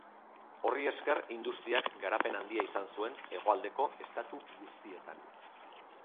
Horri esker industriak garapen handia izan zuen Hegoaldeko estatu guztietan.